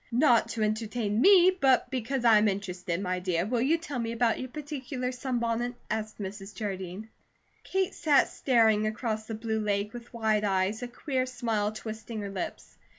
"Not to entertain me, but because I am interested, my dear, will you tell me about your particular sunbonnet?" asked Mrs. Jardine. Kate sat staring across the blue lake with wide eyes, a queer smile twisting her lips.